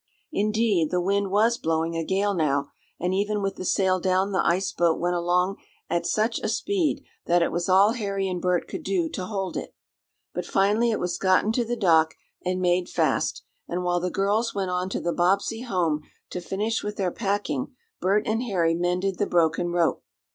Indeed, the wind was blowing a gale now, and even with the sail down the ice boat went along at such a speed that it was all Harry and Bert could do to hold it. But finally it was gotten to the dock, and made fast, and while the girls went on to the Bobbsey home to finish with their packing, Bert and Harry mended the broken rope.